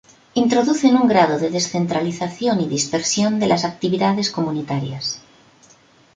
Introducen un grado de descentralización y dispersión de las actividades comunitarias.